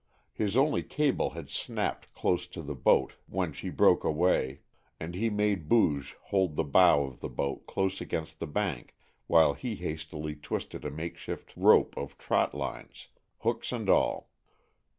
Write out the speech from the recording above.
His only cable had snapped close to the boat when she broke away, and he made Booge hold the bow of the boat close against the bank while he hastily twisted a makeshift rope of trot lines hooks and all.